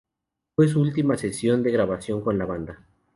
Fue su última sesión de grabación con la banda.